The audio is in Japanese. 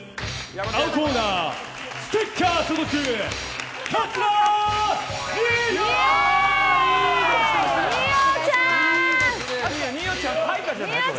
青コーナー、ステッカー所属桂二葉！